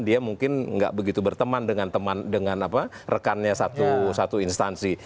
dia mungkin nggak begitu berteman dengan rekannya satu instansi